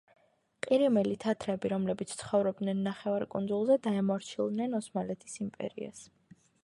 ყირიმელი თათრები, რომლებიც ცხოვრობდნენ ნახევარკუნძულზე, დაემორჩილნენ ოსმალეთის იმპერიას.